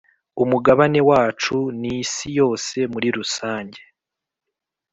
umugabane wacu n ‘Isi yose muri rusange .